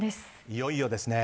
いよいよですね。